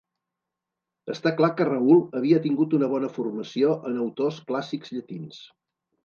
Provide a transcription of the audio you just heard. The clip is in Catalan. Està clar que Raül havia tingut una bona formació en autors clàssics llatins.